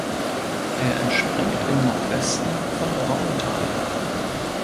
Er entspringt im Nordwesten von Rauenthal.